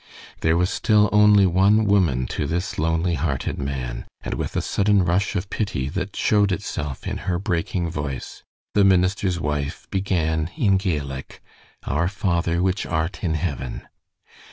There was still only one woman to this lonely hearted man, and with a sudden rush of pity that showed itself in her breaking voice, the minister's wife began in Gaelic, "Our Father which art in heaven."